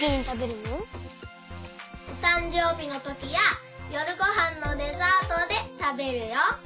おたんじょうびのときやよるごはんのデザートでたべるよ。